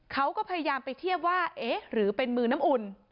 เขาก็พยายามไปเทียบว่าเอ๊ะหรือเป็นมือน้ำอุ่น